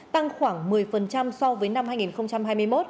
tăng khoảng một mươi so với năm hai nghìn hai mươi một